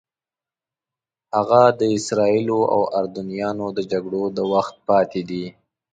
هغه د اسرائیلو او اردنیانو د جګړو د وخت پاتې دي.